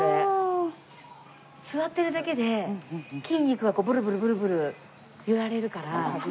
座ってるだけで筋肉がブルブルブルブル揺られるから。